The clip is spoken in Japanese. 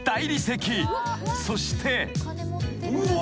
［そして］